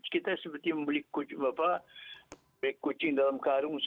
kita seperti membeli kucing dalam karung